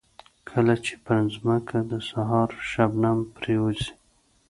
کله چې پر ځمکه د سهار شبنم پرېوځي.